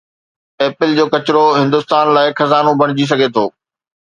Apple جو ڪچرو هندستان لاءِ خزانو بڻجي سگهي ٿو